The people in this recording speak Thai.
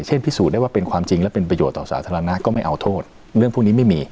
พิสูจน์ได้ว่าเป็นความจริงและเป็นประโยชน์ต่อสาธารณะก็ไม่เอาโทษเรื่องพวกนี้ไม่มี